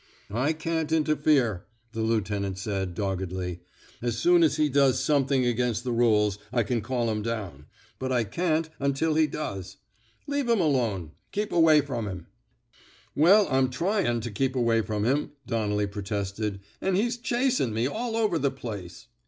I can't interfere,*' the lieutenant said, doggedly. As soon as he does some thing against rules, I can call him down. But I can't, until he does. Leave him alone. Keep away from him." Well, I'm tryin' to keep away from him," Donnelly protested, an' he's chasin' me all over the place."